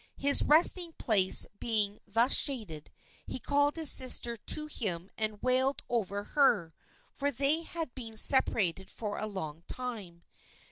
His resting place being thus shaded, he called his sister to him and wailed over her, for they had been separated for a long time.